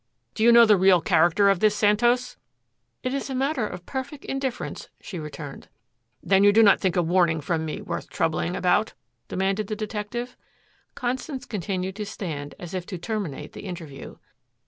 Do you know the real character of this Santos!" "It is a matter of perfect indifference," she returned. "Then you do not think a warning from me worth troubling about?" demanded the detective. Constance continued to stand as if to terminate the interview.